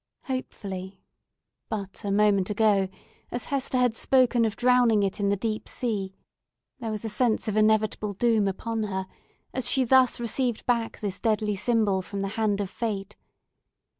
Hopefully, but a moment ago, as Hester had spoken of drowning it in the deep sea, there was a sense of inevitable doom upon her as she thus received back this deadly symbol from the hand of fate.